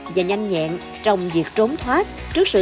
và nhanh nhẹn trong việc trốn thoát trước sự